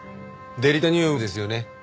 デリタニウムですよね。